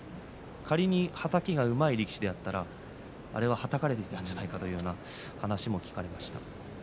仮にはたきがうまい力士であったらあれははたかれていたんじゃないかそんな話もしていました。